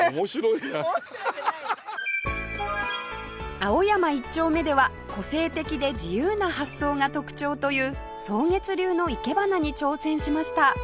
青山一丁目では個性的で自由な発想が特徴という草月流のいけばなに挑戦しました